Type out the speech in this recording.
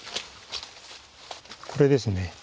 これですね。